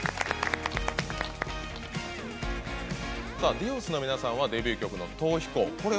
Ｄｉｏｓの皆さんはデビュー曲の「逃避行」